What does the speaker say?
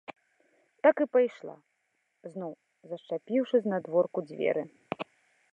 Так і пайшла, зноў зашчапіўшы знадворку дзверы.